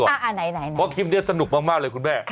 เพราะคลิปนี้สนุกมากเลยคุณแม่